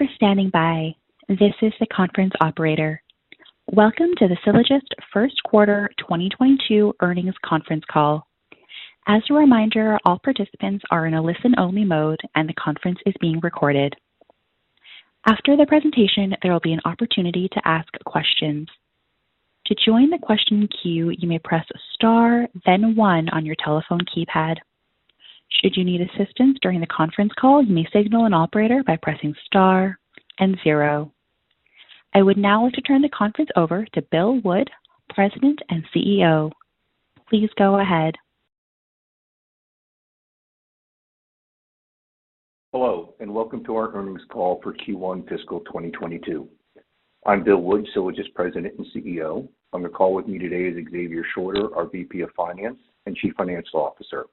Thank you for standing by. This is the conference operator. Welcome to the Sylogist first quarter 2022 earnings conference call. As a reminder, all participants are in a listen-only mode, and the conference is being recorded. After the presentation, there will be an opportunity to ask questions. To join the question queue, you may press star then one on your telephone keypad. Should you need assistance during the conference call, you may signal an operator by pressing star and zero. I would now like to turn the conference over to Bill Wood, President and CEO. Please go ahead. Hello, and welcome to our earnings call for Q1 fiscal 2022. I'm Bill Wood, Sylogist President and CEO. On the call with me today is Xavier Shorter, our VP of Finance and Chief Financial Officer.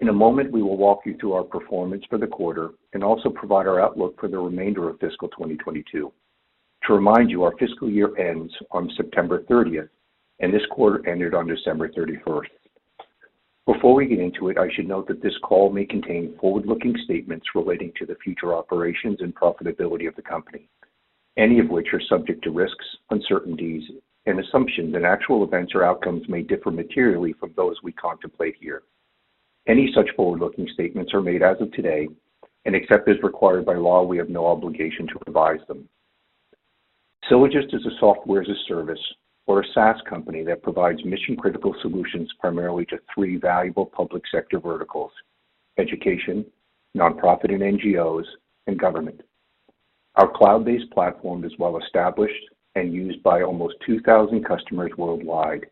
In a moment, we will walk you through our performance for the quarter and also provide our outlook for the remainder of fiscal 2022. To remind you, our fiscal year ends on September thirtieth, and this quarter ended on December thirty-first. Before we get into it, I should note that this call may contain forward-looking statements relating to the future operations and profitability of the company, any of which are subject to risks, uncertainties, and assumptions that actual events or outcomes may differ materially from those we contemplate here. Any such forward-looking statements are made as of today, and except as required by law, we have no obligation to revise them. Sylogist is a software as a service or a SaaS company that provides mission-critical solutions primarily to three valuable public sector verticals: education, nonprofit and NGOs, and government. Our cloud-based platform is well established and used by almost 2,000 customers worldwide.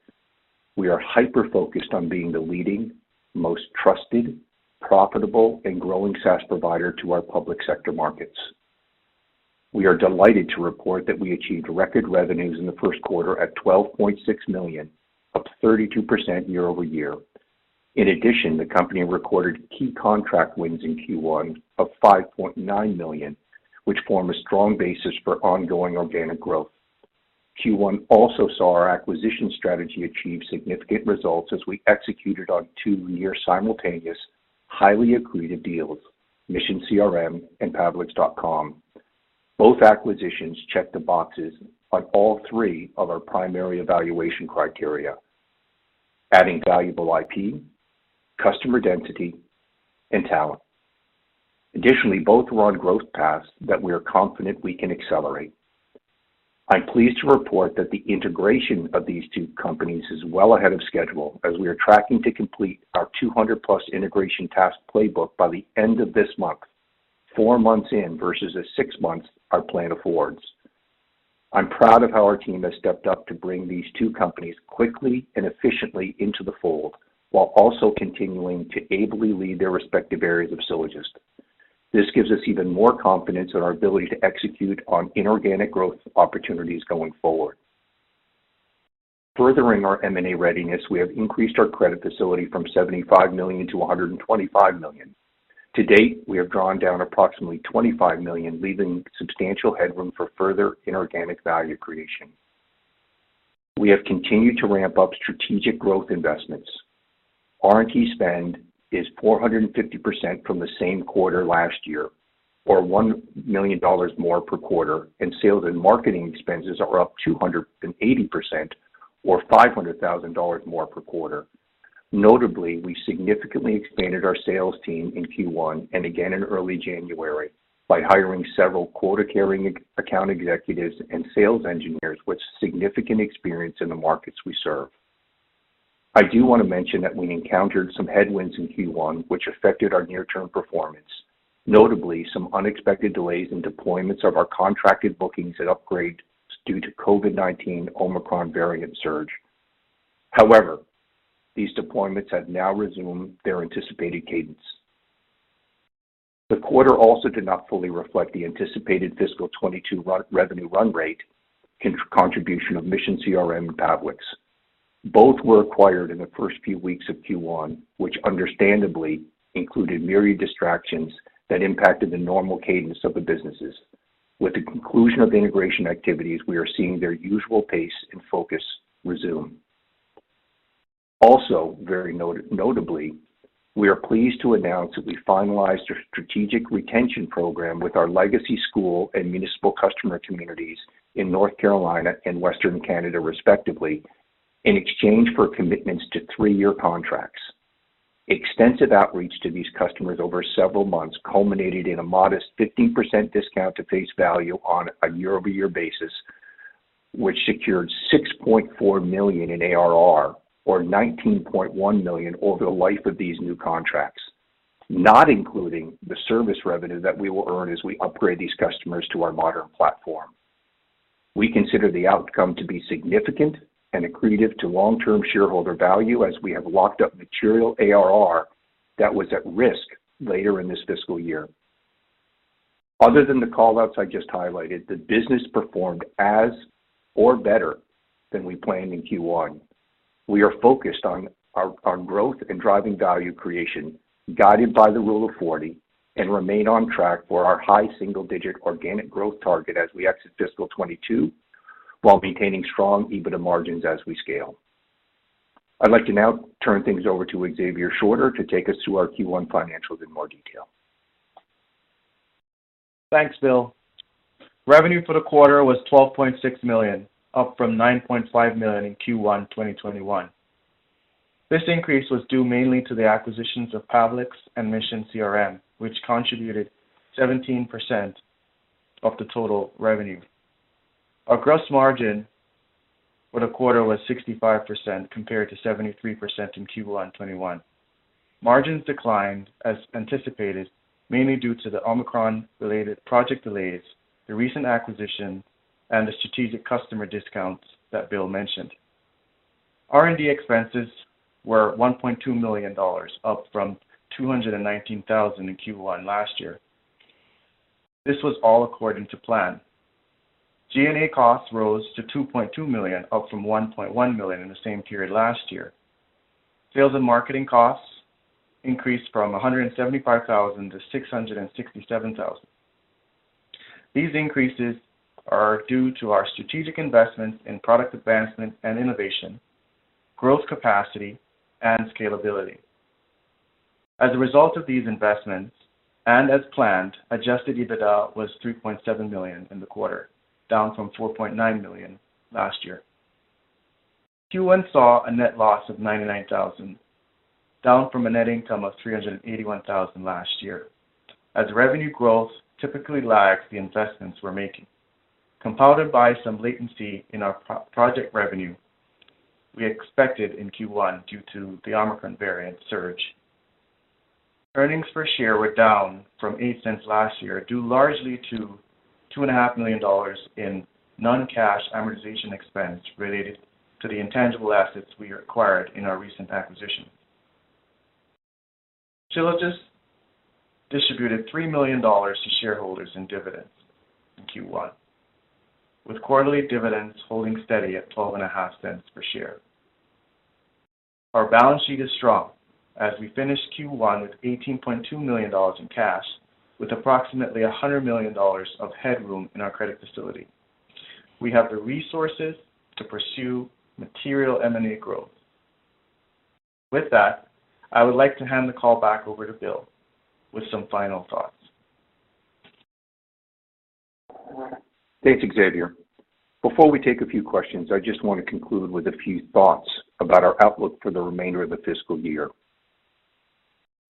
We are hyper-focused on being the leading, most trusted, profitable, and growing SaaS provider to our public sector markets. We are delighted to report that we achieved record revenues in the first quarter at 12.6 million, up 32% year-over-year. In addition, the company recorded key contract wins in Q1 of 5.9 million, which form a strong basis for ongoing organic growth. Q1 also saw our acquisition strategy achieve significant results as we executed on two year simultaneous highly accretive deals, MissionCRM and Pavliks.com. Both acquisitions check the boxes on all three of our primary evaluation criteria, adding valuable IP, customer density, and talent. Additionally, both are on growth paths that we are confident we can accelerate. I'm pleased to report that the integration of these two companies is well ahead of schedule as we are tracking to complete our 200+ integration task playbook by the end of this month, 4 months in versus the 6 months our plan affords. I'm proud of how our team has stepped up to bring these two companies quickly and efficiently into the fold while also continuing to ably lead their respective areas of Sylogist. This gives us even more confidence in our ability to execute on inorganic growth opportunities going forward. Furthering our M&A readiness, we have increased our credit facility from 75 million to 125 million. To date, we have drawn down approximately 25 million, leaving substantial headroom for further inorganic value creation. We have continued to ramp up strategic growth investments. R&D spend is 450% from the same quarter last year, or 1 million dollars more per quarter, and sales and marketing expenses are up 280% or 500,000 dollars more per quarter. Notably, we significantly expanded our sales team in Q1 and again in early January by hiring several quota-carrying account executives and sales engineers with significant experience in the markets we serve. I do want to mention that we encountered some headwinds in Q1 which affected our near-term performance, notably some unexpected delays in deployments of our contracted bookings and upgrades due to COVID-19 Omicron variant surge. However, these deployments have now resumed their anticipated cadence. The quarter also did not fully reflect the anticipated fiscal 2022 revenue run rate and contribution of MissionCRM and Pavliks. Both were acquired in the first few weeks of Q1, which understandably included myriad distractions that impacted the normal cadence of the businesses. With the conclusion of the integration activities, we are seeing their usual pace and focus resume. Also, very notably, we are pleased to announce that we finalized a strategic retention program with our legacy school and municipal customer communities in North Carolina and Western Canada, respectively, in exchange for commitments to three-year contracts. Extensive outreach to these customers over several months culminated in a modest 15% discount to face value on a year-over-year basis, which secured 6.4 million in ARR or 19.1 million over the life of these new contracts, not including the service revenue that we will earn as we upgrade these customers to our modern platform. We consider the outcome to be significant and accretive to long-term shareholder value as we have locked up material ARR that was at risk later in this fiscal year. Other than the call-outs I just highlighted, the business performed as or better than we planned in Q1. We are focused on growth and driving value creation guided by the Rule of 40 and remain on track for our high single-digit organic growth target as we exit fiscal 2022 while maintaining strong EBITDA margins as we scale. I'd like to now turn things over to Xavier Shorter to take us through our Q1 financials in more detail. Thanks, Bill. Revenue for the quarter was 12.6 million, up from 9.5 million in Q1 2021. This increase was due mainly to the acquisitions of Pavliks and MissionCRM, which contributed 17% of the total revenue. Our gross margin for the quarter was 65%, compared to 73% in Q1 2021. Margins declined as anticipated, mainly due to the Omicron-related project delays, the recent acquisition, and the strategic customer discounts that Bill mentioned. R&D expenses were 1.2 million dollars, up from 219,000 in Q1 last year. This was all according to plan. G&A costs rose to 2.2 million, up from 1.1 million in the same period last year. Sales and marketing costs increased from 175,000 to 667,000. These increases are due to our strategic investments in product advancement and innovation, growth capacity, and scalability. As a result of these investments, and as planned, adjusted EBITDA was 3.7 million in the quarter, down from 4.9 million last year. Q1 saw a net loss of 99,000, down from a net income of 381,000 last year. As revenue growth typically lags the investments we're making, compounded by some latency in our project revenue we expected in Q1 due to the Omicron variant surge. Earnings per share were down from 0.08 last year, due largely to 2.5 million dollars in non-cash amortization expense related to the intangible assets we acquired in our recent acquisition. Sylogist distributed 3 million dollars to shareholders in dividends in Q1, with quarterly dividends holding steady at 0.125 per share. Our balance sheet is strong as we finish Q1 with 18.2 million dollars in cash with approximately 100 million dollars of headroom in our credit facility. We have the resources to pursue material M&A growth. With that, I would like to hand the call back over to Bill with some final thoughts. Thanks, Xavier. Before we take a few questions, I just want to conclude with a few thoughts about our outlook for the remainder of the fiscal year.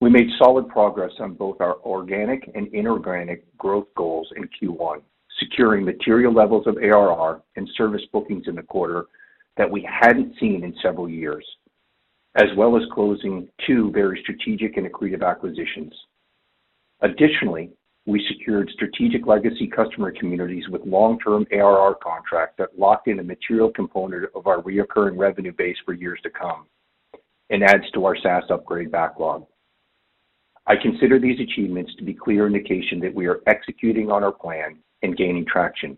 We made solid progress on both our organic and inorganic growth goals in Q1, securing material levels of ARR and service bookings in the quarter that we hadn't seen in several years, as well as closing two very strategic and accretive acquisitions. Additionally, we secured strategic legacy customer communities with long-term ARR contracts that locked in a material component of our recurring revenue base for years to come and adds to our SaaS upgrade backlog. I consider these achievements to be clear indication that we are executing on our plan and gaining traction.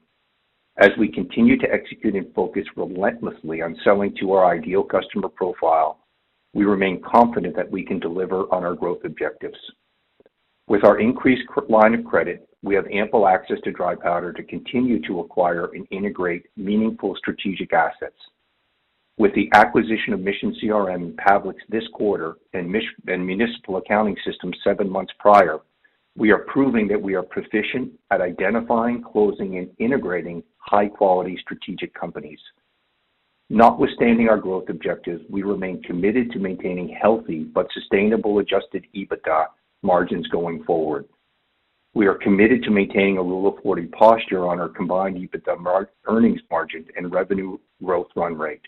As we continue to execute and focus relentlessly on selling to our ideal customer profile, we remain confident that we can deliver on our growth objectives. With our increased line of credit, we have ample access to dry powder to continue to acquire and integrate meaningful strategic assets. With the acquisition of MissionCRM and Pavliks this quarter, and Municipal Accounting Systems 7 months prior, we are proving that we are proficient at identifying, closing, and integrating high-quality strategic companies. Notwithstanding our growth objectives, we remain committed to maintaining healthy but sustainable adjusted EBITDA margins going forward. We are committed to maintaining a Rule of 40 posture on our combined EBITDA earnings margins and revenue growth run rate.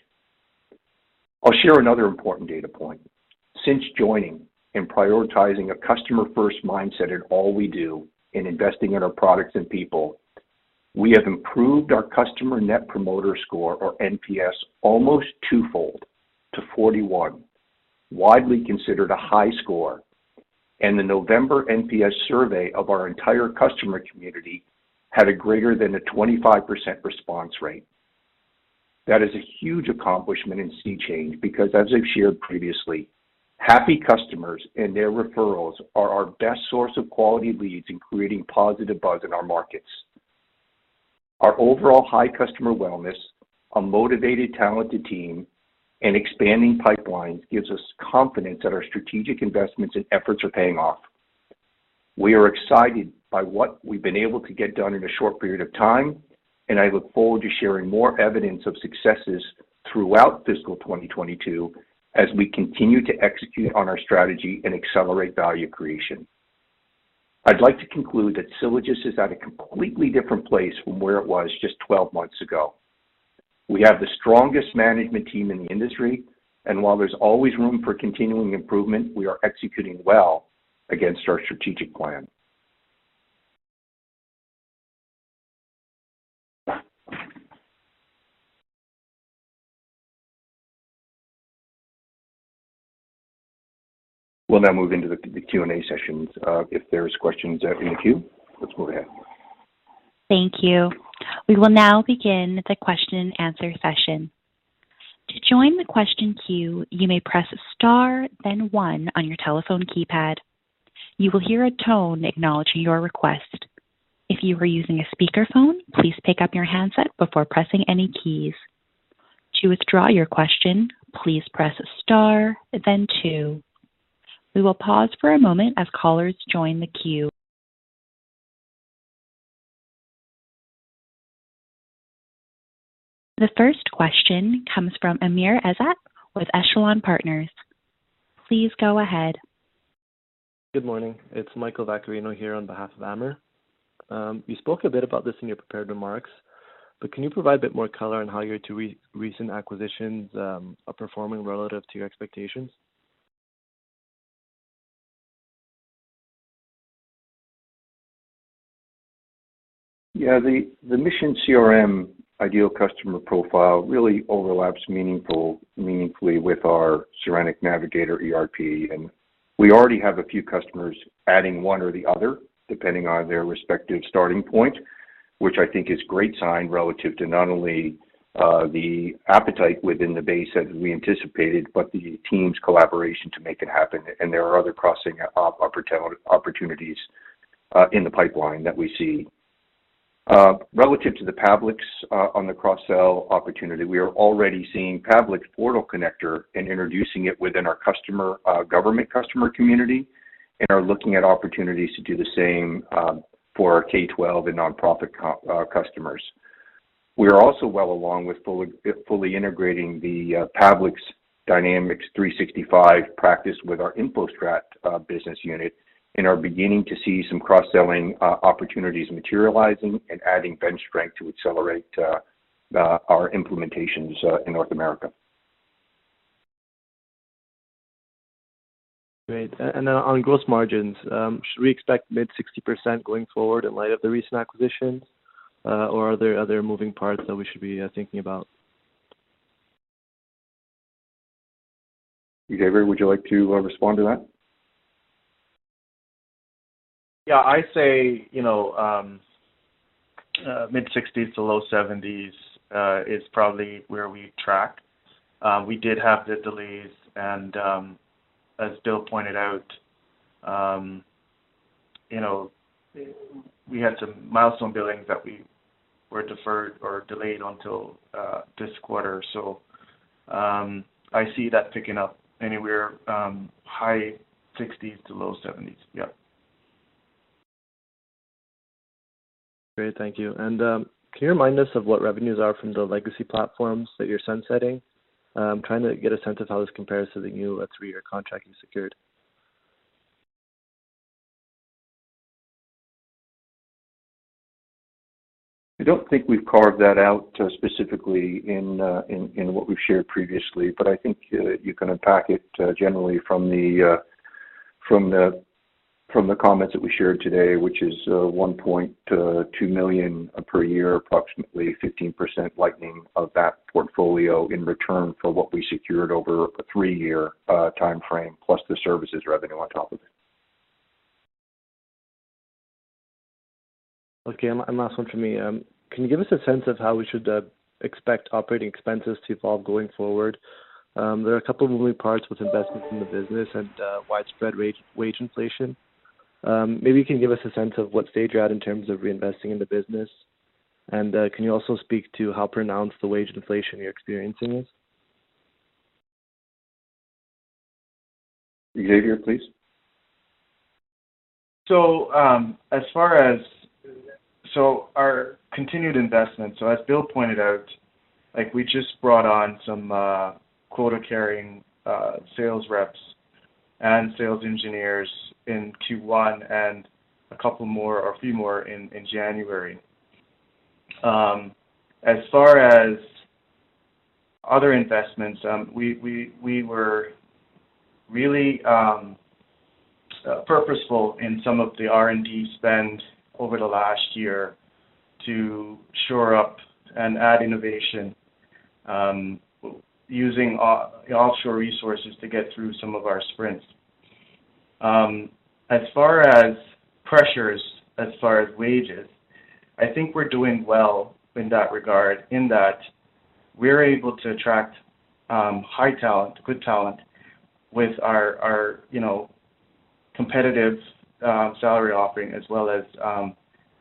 I'll share another important data point. Since joining and prioritizing a customer-first mindset in all we do in investing in our products and people, we have improved our customer Net Promoter Score, or NPS, almost twofold to 41, widely considered a high score. The November NPS survey of our entire customer community had a greater than 25% response rate. That is a huge accomplishment and sea change because as I've shared previously, happy customers and their referrals are our best source of quality leads in creating positive buzz in our markets. Our overall high customer wellness, a motivated, talented team, and expanding pipelines gives us confidence that our strategic investments and efforts are paying off. We are excited by what we've been able to get done in a short period of time, and I look forward to sharing more evidence of successes throughout fiscal 2022 as we continue to execute on our strategy and accelerate value creation. I'd like to conclude that Sylogist is at a completely different place from where it was just 12 months ago. We have the strongest management team in the industry, and while there's always room for continuing improvement, we are executing well against our strategic plan. We'll now move into the Q&A sessions. If there's questions in the queue, let's move ahead. Thank you. We will now begin the question and answer session. To join the question queue, you may press star then one on your telephone keypad. You will hear a tone acknowledging your request. If you are using a speakerphone, please pick up your handset before pressing any keys. To withdraw your question, please press star then two. We will pause for a moment as callers join the queue. The first question comes from Amr Ezzat with Echelon Partners. Please go ahead. Good morning. It's Michael Vaccarino here on behalf of Amr. You spoke a bit about this in your prepared remarks, but can you provide a bit more color on how your two recent acquisitions are performing relative to your expectations? Yeah. The MissionCRM ideal customer profile really overlaps meaningfully with our Serenic Navigator ERP, and we already have a few customers adding one or the other depending on their respective starting point, which I think is great sign relative to not only the appetite within the base as we anticipated, but the team's collaboration to make it happen, and there are other crossing opportunity in the pipeline that we see. Relative to the Pavliks, on the cross-sell opportunity, we are already seeing Pavliks' Portal Connector and introducing it within our government customer community, and are looking at opportunities to do the same, for our K-12 and nonprofit customers. We are also well along with fully integrating the Pavliks Dynamics 365 practice with our InfoStrat business unit and are beginning to see some cross-selling opportunities materializing and adding bench strength to accelerate our implementations in North America. Great. On gross margins, should we expect mid-60% going forward in light of the recent acquisitions, or are there other moving parts that we should be thinking about? Xavier, would you like to respond to that? Yeah, I say, you know, mid-60s% to low 70s% is probably where we track. We did have the delays, and as Bill pointed out, you know, we had some milestone billings that we were deferred or delayed until this quarter. I see that picking up anywhere, high 60s% to low 70s%. Yeah. Great. Thank you. Can you remind us of what revenues are from the legacy platforms that you're sunsetting? I'm trying to get a sense of how this compares to the new, three-year contract you secured. I don't think we've carved that out, specifically in what we've shared previously, but I think you can unpack it, generally from the comments that we shared today, which is 1.2 million per year, approximately 15% licensing of that portfolio in return for what we secured over a three-year timeframe, plus the services revenue on top of it. Okay. Last one from me. Can you give us a sense of how we should expect operating expenses to evolve going forward? There are a couple of moving parts with investments in the business and widespread wage inflation. Maybe you can give us a sense of what stage you're at in terms of reinvesting in the business. Can you also speak to how pronounced the wage inflation you're experiencing is? Xavier, please. Our continued investment, as Bill pointed out, like, we just brought on some quota-carrying sales reps and sales engineers in Q1 and a couple more or a few more in January. As far as other investments, we were really purposeful in some of the R&D spend over the last year to shore up and add innovation, using offshore resources to get through some of our sprints. As far as pressures, as far as wages, I think we're doing well in that regard, in that we're able to attract high talent, good talent with our, you know, competitive salary offering, as well as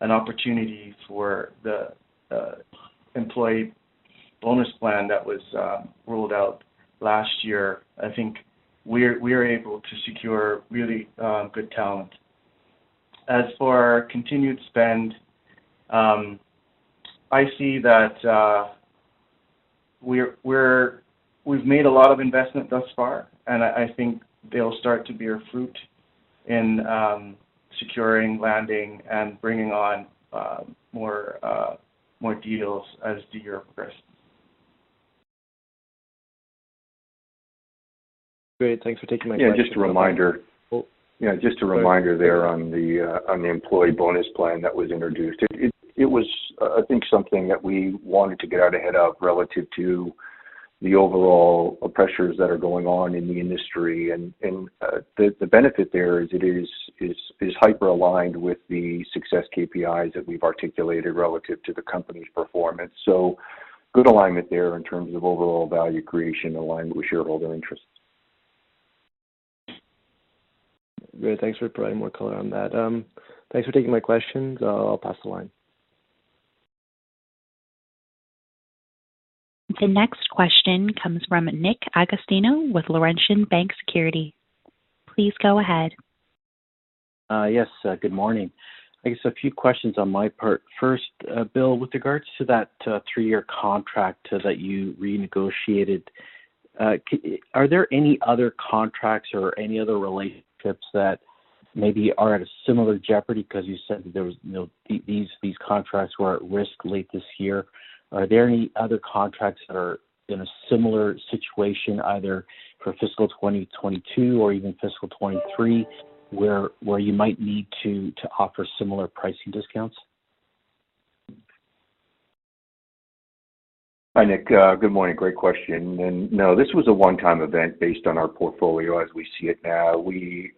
an opportunity for the employee bonus plan that was rolled out last year. I think we are able to secure really good talent. As for our continued spend, I see that we've made a lot of investment thus far, and I think they'll start to bear fruit in securing, landing, and bringing on more deals as the year progresses. Great. Thanks for taking my question. Yeah, just a reminder there on the employee bonus plan that was introduced. It was, I think, something that we wanted to get out ahead of relative to the overall pressures that are going on in the industry. The benefit there is it is hyper-aligned with the success KPIs that we've articulated relative to the company's performance. Good alignment there in terms of overall value creation aligned with shareholder interests. Great. Thanks for providing more color on that. Thanks for taking my questions. I'll pass the line. The next question comes from Nick Agostino with Laurentian Bank Securities. Please go ahead. Yes, good morning. I guess a few questions on my part. First, Bill, with regards to that three-year contract that you renegotiated, are there any other contracts or any other relationships that maybe are at a similar jeopardy? Because you said that these contracts were at risk late this year. Are there any other contracts that are in a similar situation, either for fiscal 2022 or even fiscal 2023, where you might need to offer similar pricing discounts? Hi, Nick. Good morning. Great question. No, this was a one-time event based on our portfolio as we see it now. We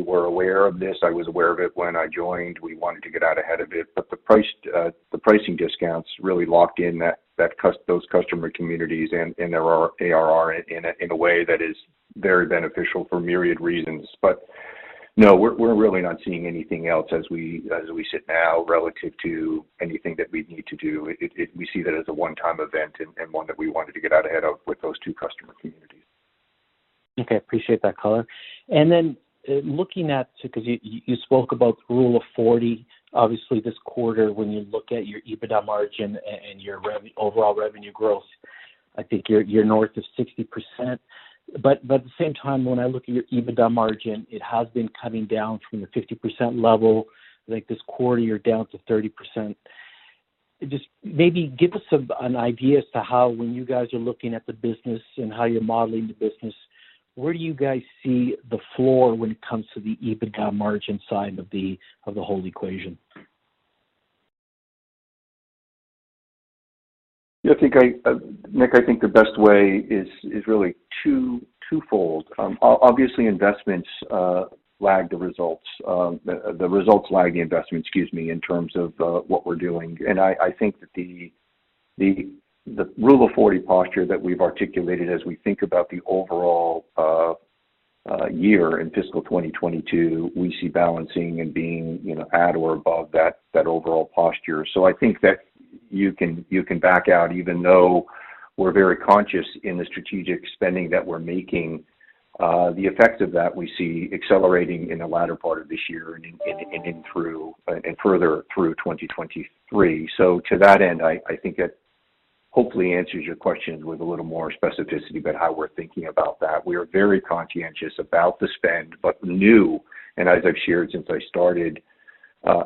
were aware of this. I was aware of it when I joined. We wanted to get out ahead of it. The pricing discounts really locked in those customer communities and there are ARR in a way that is very beneficial for myriad reasons. No, we're really not seeing anything else as we sit now relative to anything that we need to do. We see that as a one-time event and one that we wanted to get out ahead of with those two customer communities. Okay. I appreciate that color. Then looking at. Because you spoke about Rule of 40, obviously this quarter when you look at your EBITDA margin and your overall revenue growth, I think you're north of 60%. But at the same time, when I look at your EBITDA margin, it has been coming down from the 50% level, like this quarter, you're down to 30%. Just maybe give us an idea as to how when you guys are looking at the business and how you're modeling the business, where do you guys see the floor when it comes to the EBITDA margin side of the whole equation? Yeah, I think, Nick, I think the best way is really twofold. Obviously, investments lag the results. The results lag the investment, excuse me, in terms of what we're doing. I think that the Rule of 40 posture that we've articulated as we think about the overall year in fiscal 2022, we see balancing and being, you know, at or above that overall posture. I think that you can back out, even though we're very conscious in the strategic spending that we're making, the effect of that we see accelerating in the latter part of this year and in through and further through 2023. To that end, I think that hopefully answers your question with a little more specificity about how we're thinking about that. We are very conscientious about the spend but we knew, and as I've shared since I started,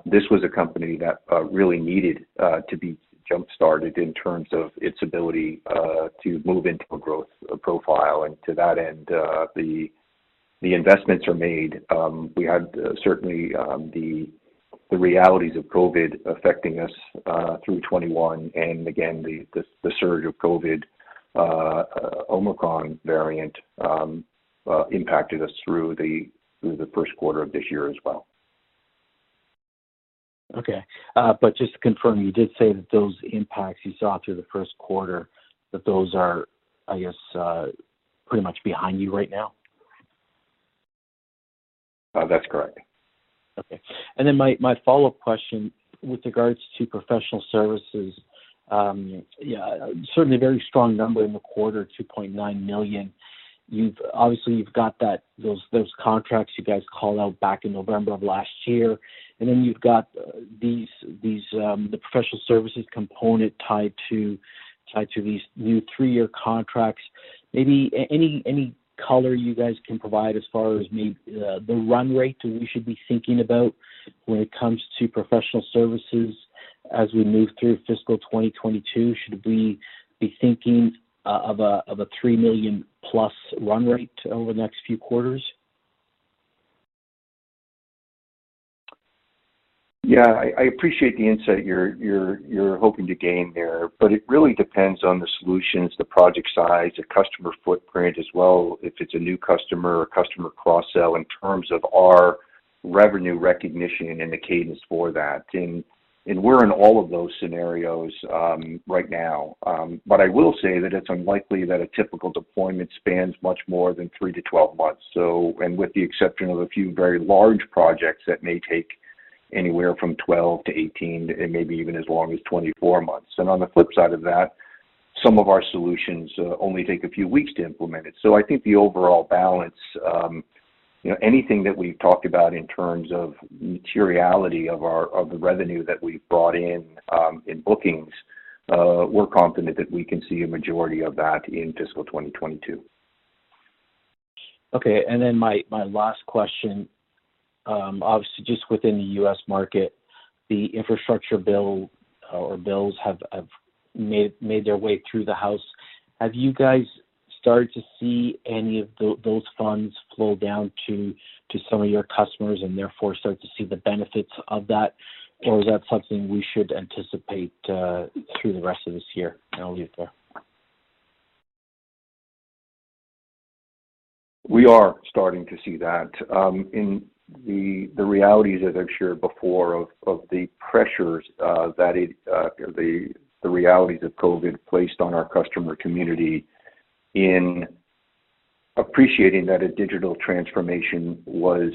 this was a company that really needed to be jump-started in terms of its ability to move into a growth profile. To that end, the investments are made. We had certainly the realities of COVID affecting us through 2021. Again, the surge of COVID, Omicron variant, impacted us through the first quarter of this year as well. Okay. Just to confirm, you did say that those impacts you saw through the first quarter, that those are, I guess, pretty much behind you right now? That's correct. Okay. My follow-up question with regards to professional services. Yeah, certainly a very strong number in the quarter, 2.9 million. You've obviously got that, those contracts you guys called out back in November of last year, and then you've got these, the professional services component tied to these new three-year contracts. Maybe any color you guys can provide as far as the run rate that we should be thinking about when it comes to professional services as we move through fiscal 2022. Should we be thinking of a 3 million-plus run rate over the next few quarters? Yeah. I appreciate the insight you're hoping to gain there, but it really depends on the solutions, the project size, the customer footprint as well, if it's a new customer or customer cross-sell in terms of our revenue recognition and the cadence for that. We're in all of those scenarios right now. I will say that it's unlikely that a typical deployment spans much more than 3-12 months. With the exception of a few very large projects that may take anywhere from 12-18, and maybe even as long as 24 months. On the flip side of that, some of our solutions only take a few weeks to implement it. I think the overall balance, you know, anything that we've talked about in terms of materiality of the revenue that we brought in bookings, we're confident that we can see a majority of that in fiscal 2022. Okay. My last question, obviously just within the U.S. market, the infrastructure bill or bills have made their way through the House. Have you guys started to see any of those funds flow down to some of your customers and therefore start to see the benefits of that? Or is that something we should anticipate through the rest of this year? I'll leave it there. We are starting to see that in the realities that I've shared before of the pressures that COVID placed on our customer community in appreciating that a digital transformation was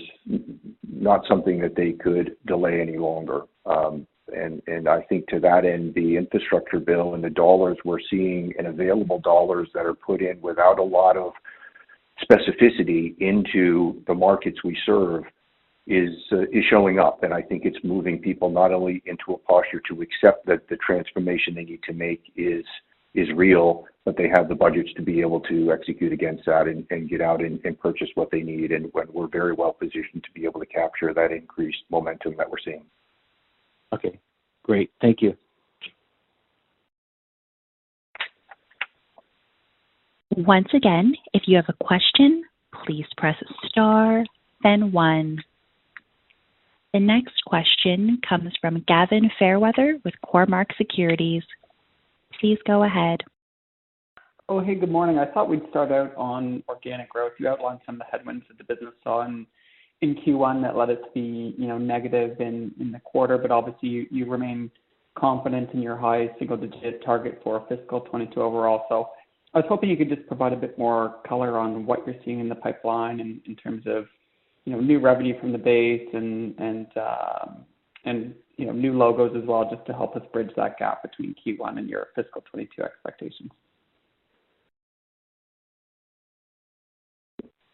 not something that they could delay any longer. I think to that end, the infrastructure bill and the dollars we're seeing and available dollars that are put in without a lot of specificity into the markets we serve is showing up. I think it's moving people not only into a posture to accept that the transformation they need to make is real, but they have the budgets to be able to execute against that and get out and purchase what they need, and we're very well positioned to be able to capture that increased momentum that we're seeing. Okay, great. Thank you. Once again, if you have a question, please press star then one. The next question comes from Gavin Fairweather with Cormark Securities. Please go ahead. Oh, hey, good morning. I thought we'd start out on organic growth. You outlined some of the headwinds that the business saw in Q1 that led it to be, you know, negative in the quarter. Obviously, you remain confident in your high single-digit target for fiscal 2022 overall. I was hoping you could just provide a bit more color on what you're seeing in the pipeline in terms of, you know, new revenue from the base and, you know, new logos as well, just to help us bridge that gap between Q1 and your fiscal 2022 expectations.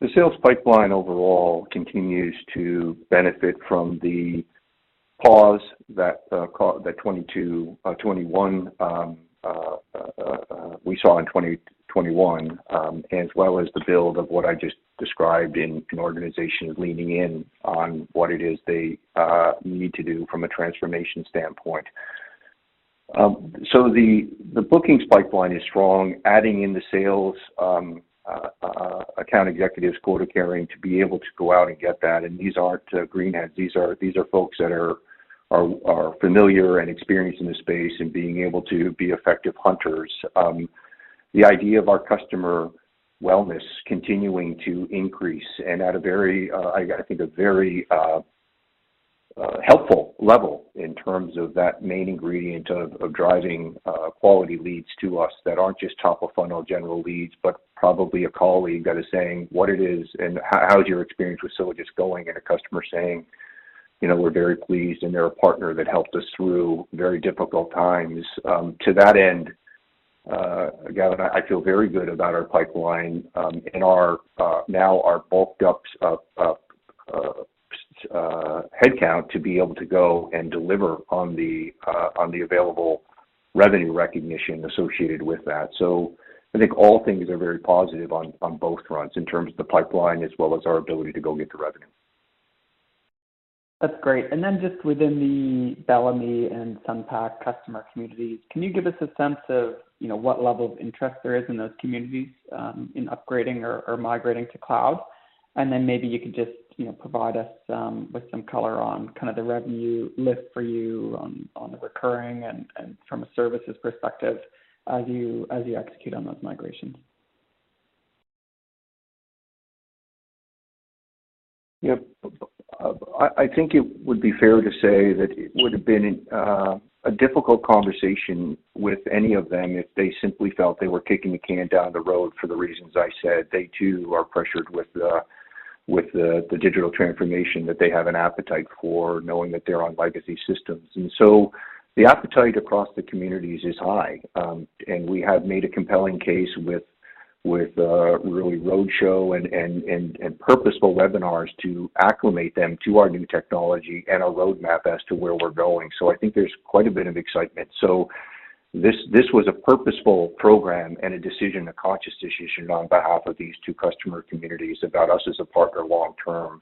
The sales pipeline overall continues to benefit from the pause that we saw in 2021, as well as the build of what I just described in an organization leaning in on what it is they need to do from a transformation standpoint. The bookings pipeline is strong, adding in the sales account executives quota carrying to be able to go out and get that. These aren't green ads. These are folks that are familiar and experienced in the space and being able to be effective hunters. The idea of our customer wellness continuing to increase and at a very, I think a very helpful level in terms of that main ingredient of driving quality leads to us that aren't just top-of-funnel general leads, but probably a colleague that is saying what it is and how is your experience with Sylogist going, and a customer saying, you know, we're very pleased, and they're a partner that helped us through very difficult times. To that end, Gavin, I feel very good about our pipeline, and our now bulked up headcount to be able to go and deliver on the available revenue recognition associated with that. I think all things are very positive on both fronts in terms of the pipeline as well as our ability to go get the revenue. That's great. Then just within the Bellamy and Sunpac customer communities, can you give us a sense of, you know, what level of interest there is in those communities in upgrading or migrating to cloud? Then maybe you could just, you know, provide us with some color on kind of the revenue lift for you on the recurring and from a services perspective as you execute on those migrations. Yeah. I think it would be fair to say that it would have been a difficult conversation with any of them if they simply felt they were kicking the can down the road for the reasons I said. They, too, are pressured with the digital transformation that they have an appetite for knowing that they're on legacy systems. The appetite across the communities is high. We have made a compelling case with really roadshow and purposeful webinars to acclimate them to our new technology and our roadmap as to where we're going. I think there's quite a bit of excitement. This was a purposeful program and a decision, a conscious decision on behalf of these two customer communities about us as a partner long term.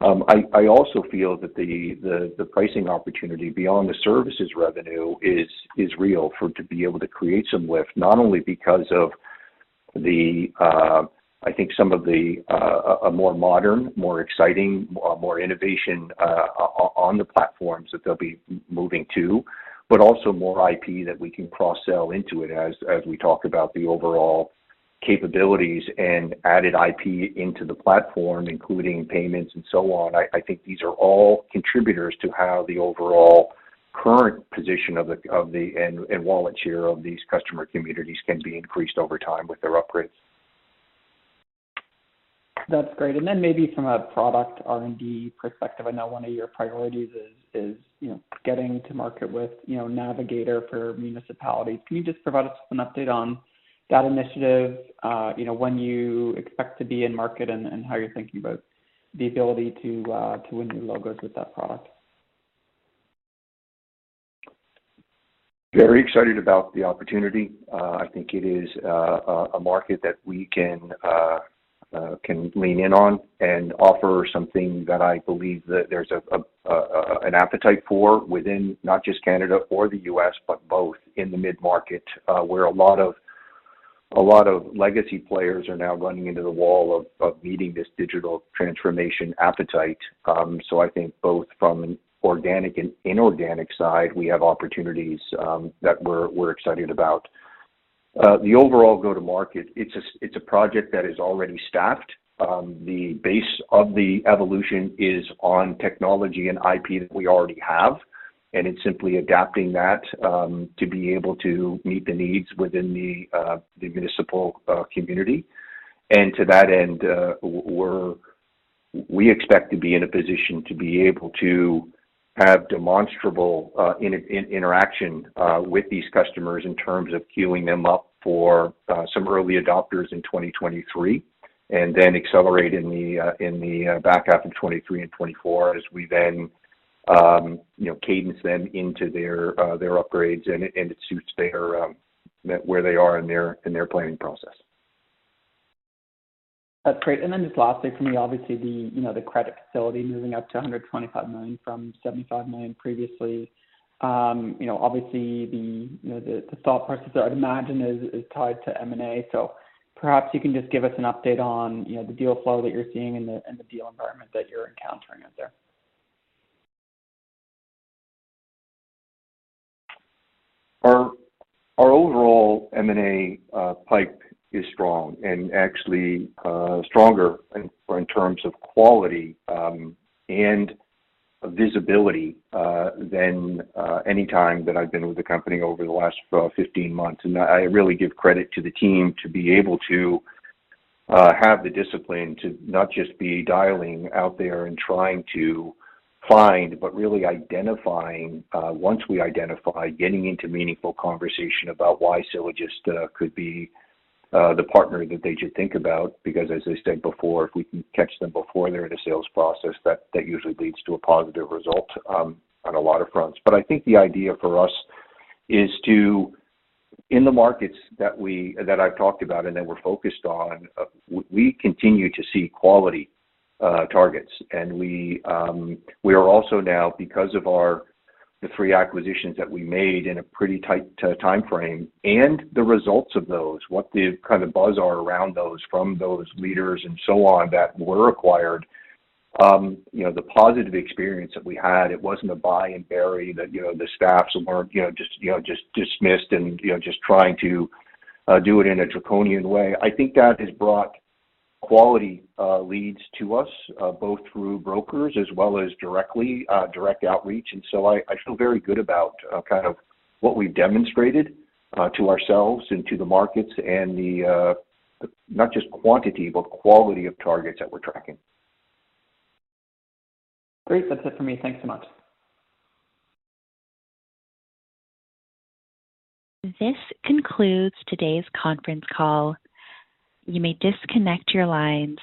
I also feel that the pricing opportunity beyond the services revenue is real to be able to create some lift, not only because of the, I think some of the, a more modern, more exciting, more innovation on the platforms that they'll be moving to, but also more IP that we can cross-sell into it as we talk about the overall capabilities and added IP into the platform, including payments and so on. I think these are all contributors to how the overall current position of the and wallet share of these customer communities can be increased over time with their upgrades. That's great. Maybe from a product R&D perspective, I know one of your priorities is, you know, getting to market with, you know, Navigator for municipalities. Can you just provide us an update on that initiative, you know, when you expect to be in market and how you're thinking about the ability to win new logos with that product? Very excited about the opportunity. I think it is a market that we can lean in on and offer something that I believe that there's an appetite for within not just Canada or the US, but both in the mid-market, where a lot of legacy players are now running into the wall of meeting this digital transformation appetite. I think both from an organic and inorganic side, we have opportunities that we're excited about. The overall go-to-market, it's a project that is already staffed. The base of the evolution is on technology and IP that we already have, and it's simply adapting that to be able to meet the needs within the municipal community. To that end, we expect to be in a position to be able to have demonstrable interaction with these customers in terms of queuing them up for some early adopters in 2023, and then accelerate in the back half of 2023 and 2024 as we then, you know, cadence them into their upgrades and it suits their where they are in their planning process. That's great. Just lastly for me, obviously the, you know, the credit facility moving up to 125 million from 75 million previously. You know, obviously the, you know, the thought process I'd imagine is tied to M&A. Perhaps you can just give us an update on, you know, the deal flow that you're seeing and the deal environment that you're encountering out there. Our overall M&A pipe is strong and actually stronger in terms of quality and visibility than any time that I've been with the company over the last 15 months. I really give credit to the team to be able to have the discipline to not just be dialing out there and trying to find, but really identifying, once we identify, getting into meaningful conversation about why Sylogist could be the partner that they should think about. Because as I said before, if we can catch them before they're in a sales process, that usually leads to a positive result on a lot of fronts. I think the idea for us is to in the markets that I've talked about and that we're focused on, we continue to see quality targets. We are also now, because of the three acquisitions that we made in a pretty tight timeframe and the results of those, what the kind of buzz are around those from those leaders and so on that were acquired, you know, the positive experience that we had, it wasn't a buy and bury that, you know, the staffs weren't, you know, just dismissed and, you know, just trying to do it in a draconian way. I think that has brought quality leads to us, both through brokers as well as directly, direct outreach. I feel very good about kind of what we've demonstrated to ourselves and to the markets, not just quantity, but quality of targets that we're tracking. Great. That's it for me. Thanks so much. This concludes today's conference call. You may disconnect your lines.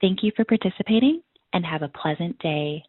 Thank you for participating and have a pleasant day.